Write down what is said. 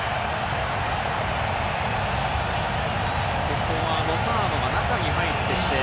ここはロサーノが中に入ってきて